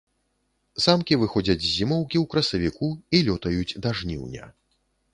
Самкі выходзяць з зімоўкі ў красавіку і лётаюць да жніўня.